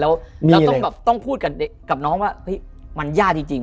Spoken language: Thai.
แล้วต้องพูดกับน้องว่ามันยากจริง